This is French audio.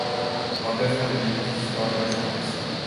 L'emplacement de l'église disparue reste imprécis.